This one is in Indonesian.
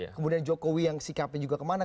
kemudian jokowi yang sikapnya juga kemana